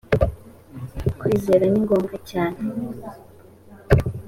kwizera ni ngombwa cyane